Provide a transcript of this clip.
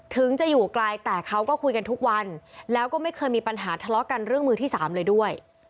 ถึงจะอยู่ไกลแต่เขาก็คุยกันทุกวันแล้วก็ไม่เคยมีปัญหาทะเลาะกันเรื่องมือที่สามเลยด้วย